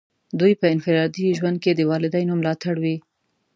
دوی په انفرادي ژوند کې د والدینو ملاتړ وي.